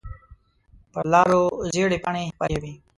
په لارو زېړې پاڼې خپرې وي